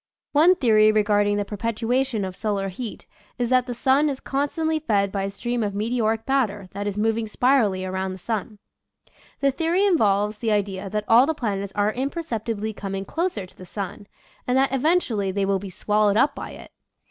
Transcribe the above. One theory regarding the perpetuation of solar heat is that the sun is constantly fed by a stream of meteoric matter that is moving spirally around the sun. The theory involves the idea that all the planets are imperceptibly coming closer to the sun, and that eventually they will be swallowed up by it.